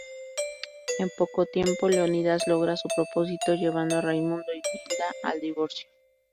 En poco tiempo Leónidas logra su propósito, llevando a Raymundo y Gilda al divorcio.